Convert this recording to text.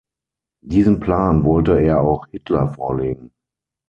Diesen Plan wollte er auch Hitler vorlegen.